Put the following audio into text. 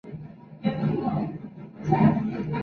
Makoto Ikeda